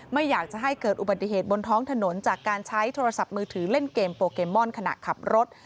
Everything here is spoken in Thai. ไม่อยากจะให้เกิดอุบัติเหตุบนท้องถนนจากการใช้โทรศัพท์มือถือเล่นเกมโปเกมอนขณะขับรถ